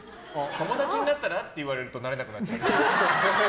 友達になったら？って言われると、なれなくなる。